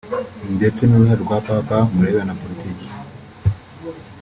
ndetse n’uruhare rwa papa mu birebana na politiki